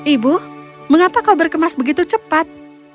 ibu mengapa kau berkemas begitu cepat